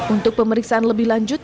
untuk pemeriksaan lebih lanjut